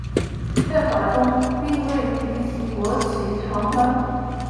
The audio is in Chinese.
宪法中并未提及国旗长宽比。